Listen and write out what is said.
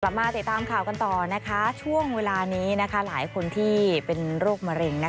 กลับมาติดตามข่าวกันต่อนะคะช่วงเวลานี้หลายคนที่เป็นโรคมะเร็ง